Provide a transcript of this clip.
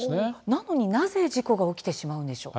なのに、なぜ事故が起きてしまうんでしょうか。